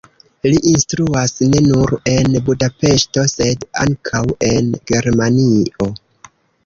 Li instruas ne nur en Budapeŝto, sed ankaŭ en Germanio.